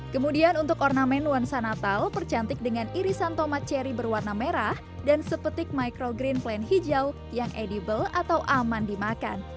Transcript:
kemudian untuk ornamen nuansa natal percantik dengan irisan tomat cherry berwarna merah dan sepetik micro green plan hijau yang edible atau aman dimakan